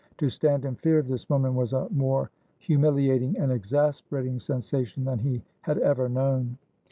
To stand in fear of this woman was a more humiliating and exasperating sensation than he had ever known.